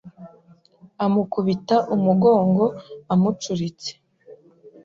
amukubita umugongo amucuritse.